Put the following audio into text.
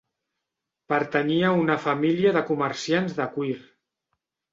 Pertanyia a una família de comerciants de cuir.